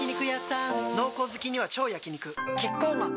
濃厚好きには超焼肉キッコーマン